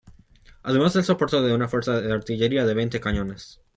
Además del soporte de una fuerza de artillería de veinte cañones.